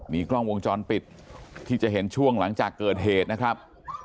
มีกล้องวงจรปิดที่จะเห็นช่วงหลังจากเกิดเหตุนะครับ